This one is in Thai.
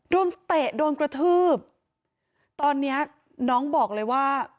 เตะโดนกระทืบตอนเนี้ยน้องบอกเลยว่า